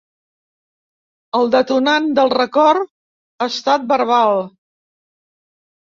El detonant del record ha estat verbal.